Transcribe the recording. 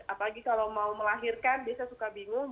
apalagi kalau mau melahirkan biasanya suka bingung